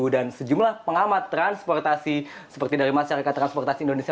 dan sejumlah pengamat transportasi seperti dari masyarakat transportasi indonesia